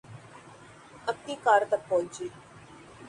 اپنی کار تک پہنچی